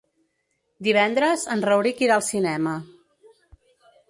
Divendres en Rauric irà al cinema.